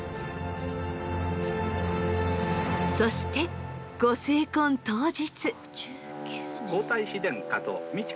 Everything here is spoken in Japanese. そしてご成婚当日。